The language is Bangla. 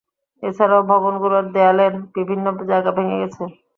এছাড়াও ভবনগুলোর দেয়ালের বিভিন্ন জায়গা ভেঙে গেছে।